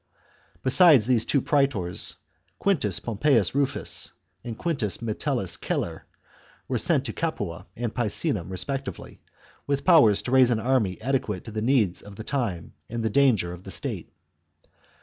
Besides these, two praetors, Quintus Pompeius Rufus, and Quintus Metellus Celer, were sent to Capua and Picenum respectively, with powers to raise an army adequate to the needs of the time and the danger of the state.